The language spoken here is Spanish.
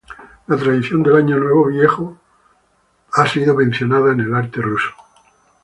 La tradición del año nuevo viejo ha sido mencionada en el arte ruso.